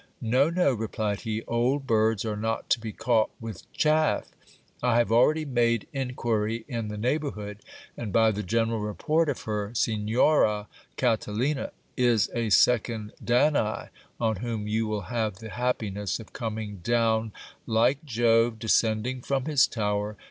No, no, replied he, old birds are not to be caught with chaff ; I have already made in quiry in the neighbourhood, and by the general report of her, Signora Catalina is a second Danae, on whom you will have the happiness of coming down, Like Jove descending from his tower